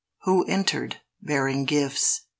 Who entered, bearing gifts?